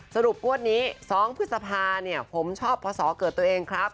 สรุปว่านี้๒พฤษภาผมชอบเพราะสอเกิดตัวเองครับ